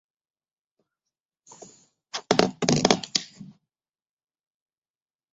现为西城区普查登记文物。